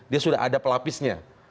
dia sudah ada pelapisnya